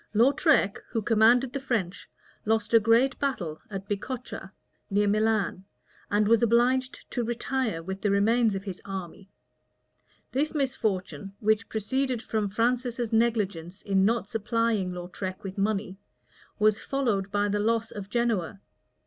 Lautrec, who commanded the French, lost a great battle at Bicocca, near Milan; and was obliged to retire with the remains of his army. This misfortune, which proceeded from Francis's negligence in not supplying Lautrec with money,[*] was followed by the loss of Genoa.